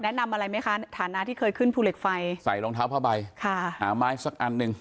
แนะนำอะไรไหมคะฐานะที่เคยขึ้นภูเหล็กไฟใส่รองเท้าผ้าใบค่ะหาไม้สักอันหนึ่ง